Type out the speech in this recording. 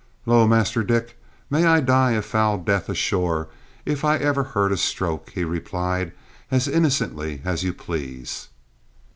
"Lor', Master Dick, may I die a foul death ashore if I ever heard a stroke," he replied as innocently as you please.